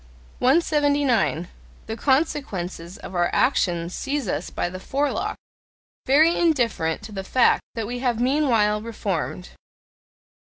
179. The consequences of our actions seize us by the forelock, very indifferent to the fact that we have meanwhile "reformed."